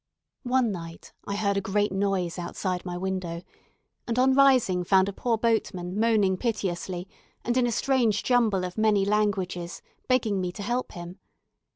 One night I heard a great noise outside my window, and on rising found a poor boatman moaning piteously, and in a strange jumble of many languages begging me to help him.